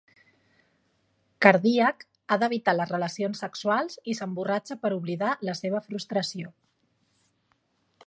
Cardíac, ha d'evitar les relacions sexuals i s'emborratxa per oblidar la seva frustració.